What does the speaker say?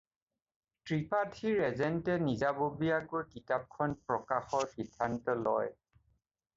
ত্ৰিপাঠীৰ এজেন্টে নিজাববীয়াকৈ কিতাপখন প্ৰকাশৰ সিদ্ধান্ত লয়।